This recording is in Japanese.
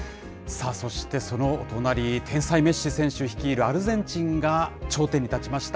そして、その隣、天才、メッシ選手率いるアルゼンチンが、頂点に立ちました。